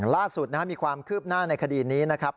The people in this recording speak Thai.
ล่าสุดมีความคืบหน้าในคดีนี้นะครับ